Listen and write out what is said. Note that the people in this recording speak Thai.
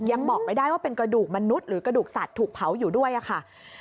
ยังบอกไม่ได้ว่าเป็นกระดูกมนุษย์หรือกระดูกสัตว์ถูกเผาอยู่ด้วยค่ะ